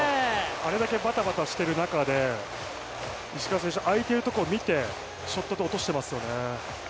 あれだけバタバタしている中で石川選手、あいてるところを見てショットで落としてますよね。